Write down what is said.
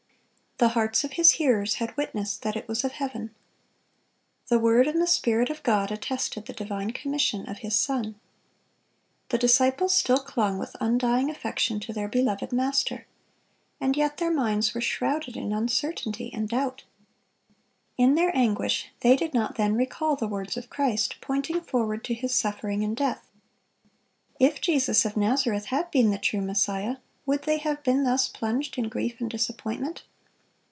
The hearts of His hearers had witnessed that it was of Heaven. The word and the Spirit of God attested the divine commission of His Son. The disciples still clung with undying affection to their beloved Master. And yet their minds were shrouded in uncertainty and doubt. In their anguish they did not then recall the words of Christ pointing forward to His suffering and death. If Jesus of Nazareth had been the true Messiah, would they have been thus plunged in grief and disappointment?